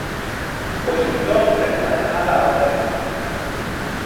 Pois entón ten unha chamada á orde.